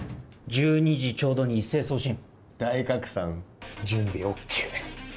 １２時ちょうどに一斉送信大拡散準備ＯＫ